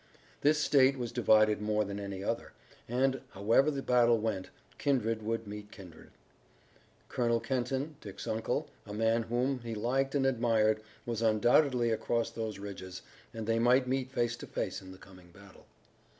This state was divided more than any other, and, however the battle went, kindred would meet kindred. Colonel Kenton, Dick's uncle, a man whom he liked and admired, was undoubtedly across those ridges, and they might meet face to face in the coming battle.